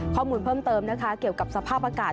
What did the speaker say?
ข้อมูลเพิ่มเติมนะคะเกี่ยวกับสภาพอากาศ